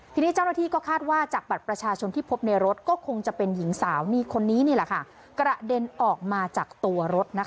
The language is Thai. ทีนี้เจ้าหน้าที่ก็คาดว่าจากบัตรประชาชนที่พบในรถก็คงจะเป็นหญิงสาวนี่คนนี้นี่แหละค่ะกระเด็นออกมาจากตัวรถนะคะ